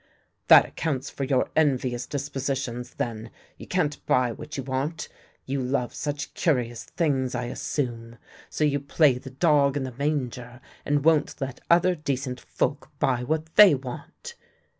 " That accounts for your envious dispositions, then. You can't buy what you want — you love such curious things, I assume! So you play the dog in the manger and won't let other decent folk buy what they want."